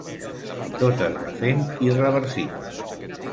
Tot es va fent irreversible.